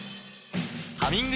「ハミング」